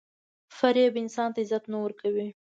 • فریب انسان ته عزت نه ورکوي.